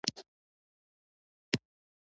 صوفیان تېر روایت لري.